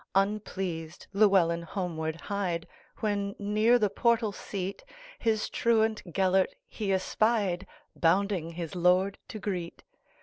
Unpleased Llewelyn homeward hied, When, near the portal seat, His truant Gêlert he espied, Bounding his lord to greet.